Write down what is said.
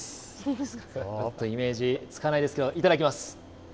ちょっとイメージつかないんですけど、いただきます。